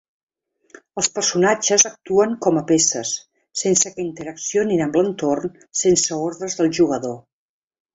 Els personatges actuen com a peces, sense que interaccionin amb l'entorn sense ordres del jugador.